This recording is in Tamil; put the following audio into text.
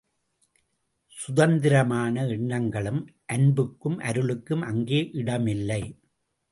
சுதந்திரமான எண்ணங்களுக்கும், அன்புக்கும் அருளுக்கும் அங்கே இடமில்லை.